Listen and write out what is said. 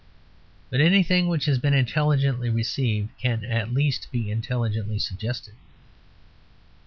But anything which has been intelligently received can at least be intelligently suggested.